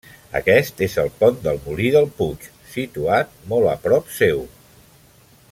Aquest és el pont del molí del Puig, situat molt a prop seu.